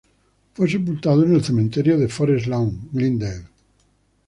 Fue sepultado en el cementerio de Forest Lawn, Glendale.